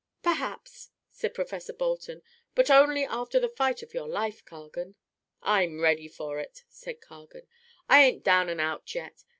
"Perhaps," said Professor Bolton. "But only after the fight of your life, Cargan." "I'm ready for it," cried Cargan. "I ain't down and out yet.